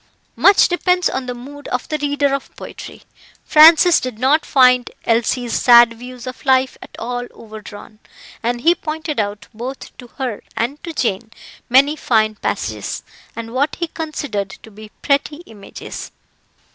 Much depends on the mood of the reader of poetry. Francis did not find Elsie's sad views of life at all overdrawn, and he pointed out both to her and to Jane many fine passages, and what he considered to be pretty images.